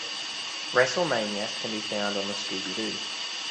Wrestle Maniacs can be found on the Scooby-Doo!